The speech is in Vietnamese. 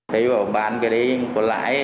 thấy bảo bán cái đấy có lãi